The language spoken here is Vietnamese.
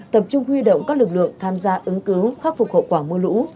tập trung huy động các lực lượng tham gia ứng cứu khắc phục hậu quả mưa lũ